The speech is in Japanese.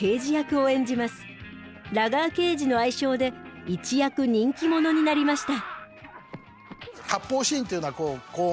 ラガー刑事の愛称で一躍人気者になりました。